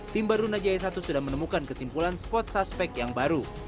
tim barunajaya satu sudah menemukan kesimpulan spot suspek yang baru